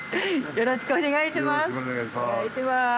よろしくお願いします。